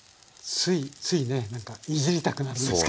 ついついねなんかいじりたくなるんですけど。